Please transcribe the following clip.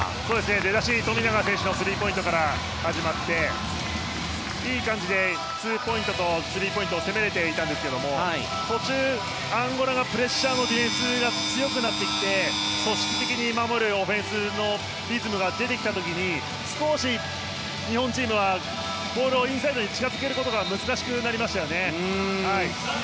出だし、富永選手のスリーポイントから始まっていい感じで、ツーポイントとスリーポイントを攻めれていたんですが途中、アンゴラがプレッシャーのディフェンスが強くなってきて組織的に守るオフェンスのリズムが出てきた時に少し日本チームは、ボールをインサイドに近づけることが難しくなりましたね。